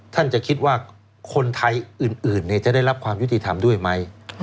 ท่านจะคิดว่าคนไทยอื่นจะได้รับความยุติธรรมด้วยไหม